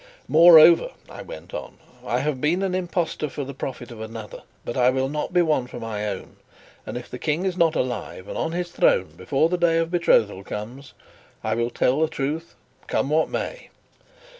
"Moreover," I went on, "I have been an impostor for the profit of another, but I will not be one for my own; and if the King is not alive and on his throne before the day of betrothal comes, I will tell the truth, come what may."